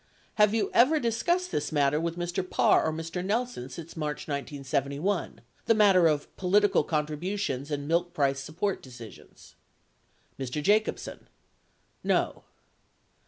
Have you ever discussed this matter with Mr. Parr or Mr. Nelson since March 1971, the matter of political contributions and milk price support decisions ? Mr. Jacobsen. No.